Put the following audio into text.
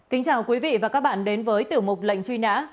kính chào quý vị và các bạn đến với tiểu mục lệnh truy nã